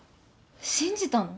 信じたの？